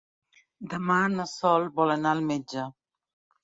Demà na Sol vol anar al metge.